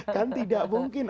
kan tidak mungkin